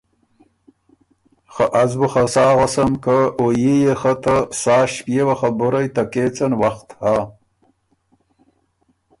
خه از بُو خه سا غؤسم که او يي يې خه ته سا ݭپېوه خبُرئ ته کېڅن وخت هۀ۔